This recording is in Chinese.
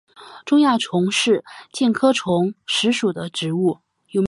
中亚虫实是苋科虫实属的植物。